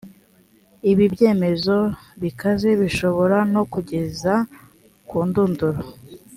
ibi ibyemezo bikaze bishobora no kugeza ku ndunduro